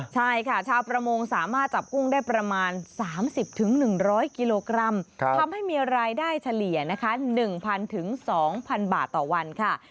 ใช่ค่ะชาวประมงสามารถจับกุ้งได้ประมาณ๓๐๑๐๐กิโลกรัมทำให้มีรายได้เฉลี่ยนะคะ๑๐๐๒๐๐บาทต่อวันค่ะ